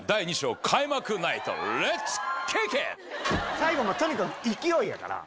最後のとにかく勢いやから。